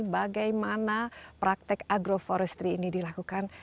bagaimana praktek agroforestry ini dilakukan